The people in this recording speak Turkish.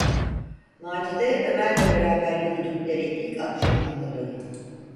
Macide Ömer’le beraber yürüdükleri ilk akşamı hatırladı.